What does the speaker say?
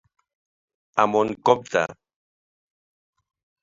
A mon compte.